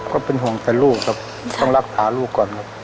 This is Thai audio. ก็เป็นห่วงแต่ลูกครับต้องรักษาลูกก่อนครับ